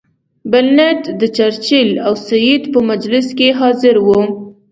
بلنټ د چرچل او سید په مجلس کې حاضر وو.